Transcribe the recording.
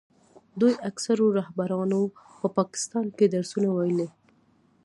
دوی اکثرو رهبرانو په پاکستان کې درسونه ویلي.